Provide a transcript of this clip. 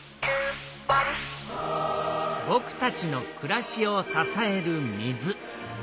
ぼくたちのくらしをささえる水。